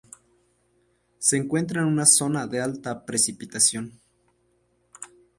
Se encuentra en una zona de alta precipitación.